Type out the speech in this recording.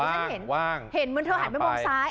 ว่างว่างเห็นเหมือนเธอหันไปมองซ้าย